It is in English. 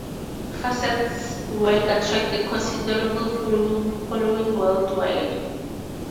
Fassett's work attracts a considerable following worldwide.